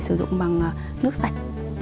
sửa dụng bằng nước sạch